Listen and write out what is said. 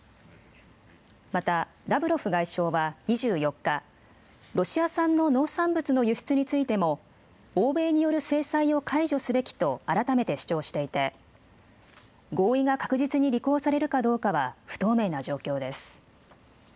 また、ラブロフ外相は２４日、ロシア産の農産物の輸出についても、欧米による制裁を解除すべきと改めて主張していて、合意が確実に履行されるかどうかは不透明な状況です。